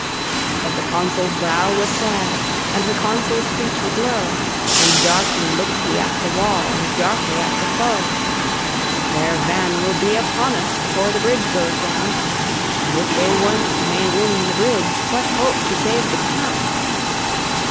But the Consul's brow was sad, And the Consul's speech was low, And darkly looked he at the wall, And darkly at the foe. "Their van will be upon us Before the bridge goes down; And if they once may win the bridge, What hope to save the town?"